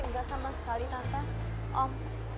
enggak sama sekali tante om